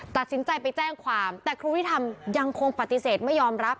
ตัดสินใจไปแจ้งความแต่ครูที่ทำยังคงปฏิเสธไม่ยอมรับ